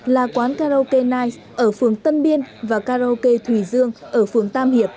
là quán karaoke nice ở phường tân biên và karaoke thùy dương ở phường tân hiệp